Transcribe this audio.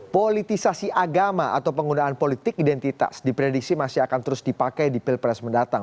politisasi agama atau penggunaan politik identitas diprediksi masih akan terus dipakai di pilpres mendatang